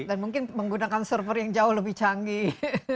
dan mungkin menggunakan server yang jauh lebih canggih